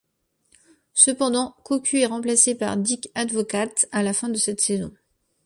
Cependant, Cocu est remplacé par Dick Advocaat à la fin de cette saison.